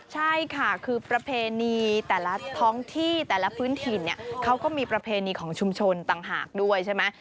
ใช่ค่ะคือประเพณีแต่ละท้องที่แต่ละพื้นถิ่นเนี่ยเขาก็มีประเพณีของชุมชนต่างหากด้วยใช่ไหม